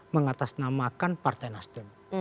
mengatasnamakan partai nasdem